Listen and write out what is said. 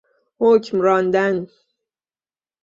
حکم راندن